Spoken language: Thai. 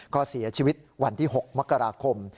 ก็เสียชีวิตวันที่๖มกราคม